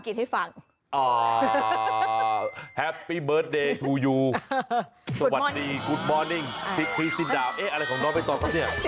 ก็เดี๋ยวคุณชนะจะพูดภาษาอังกฤษให้ฟัง